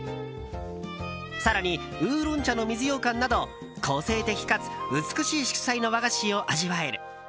更にウーロン茶の水ようかんなど個性的かつ美しい色彩の和菓子を味わえる。